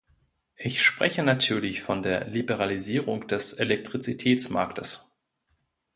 Ich spreche natürlich von der Liberalisierung des Elektrizitätsmarktes.